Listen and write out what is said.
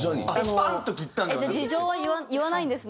事情は言わないんですね。